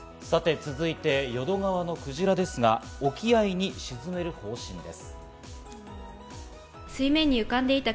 続いて淀川のクジラですが、沖合に沈める方針です。